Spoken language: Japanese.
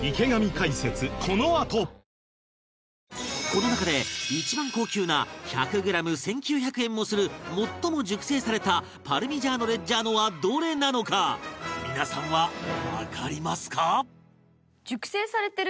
この中で一番高級な１００グラム１９００円もする最も熟成されたパルミジャーノ・レッジャーノはどれなのか皆さんはわかりますか？